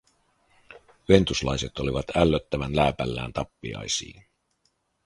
Ventuslaiset olivat ällöttävän lääpällään tappiaisiin.